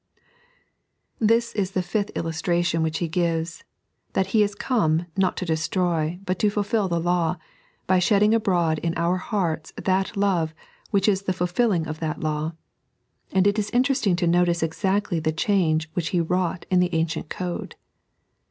This is the fifth illustration which He gives, that He is '»me, not to destroy, but to fulfil the law, by shedding abroad in our hearts that Love which is the f ulfilling of that law ; and it is interesting to notice exactly the change which He wrought in the ancient code.